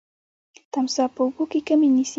تمساح په اوبو کي کمین نیسي.